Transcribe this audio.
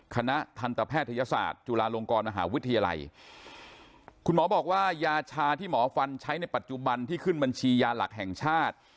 คณะทันตแพทยศาสตร์จุฬาลงกรมหาวิทยาลัยคุณหมอบอกว่ายาชาที่หมอฟันใช้ในปัจจุบันที่ขึ้นบัญชียาหลักแห่งชาติ